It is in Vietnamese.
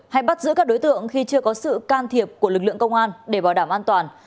hay bắt giữ các đối tượng khi chưa có sự can thiệp của lực lượng công an để bảo đảm an toàn